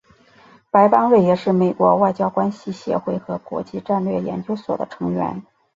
白邦瑞也是美国外交关系协会和国际战略研究所的成员。